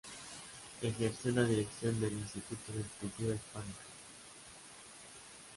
Ejerció la Dirección del Instituto de Cultura Hispánica.